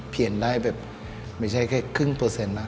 เปลี่ยนได้ไม่ใช่แค่ครึ่งเปอร์เซ็นต์นะ